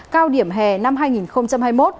cao điểm hè năm hai nghìn hai mươi một